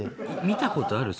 見たことある？